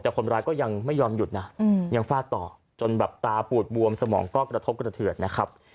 แต่คนร้ายก็ยังไม่ยอมหยุดนะยังฟาดต่อจนแบบตาปูดบวมสมองก็กระทบกระเทือดนะครับ